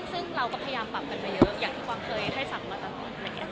ซึ่งเราก็พยายามปรับกันมาเยอะอย่างที่กวางเคยให้สั่งมาตลอดอะไรอย่างนี้